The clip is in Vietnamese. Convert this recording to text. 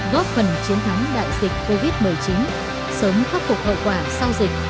góp phần chiến thắng đại dịch covid một mươi chín sớm khắc phục hậu quả sau dịch